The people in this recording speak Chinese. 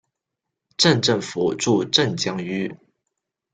镇政府驻镇江圩。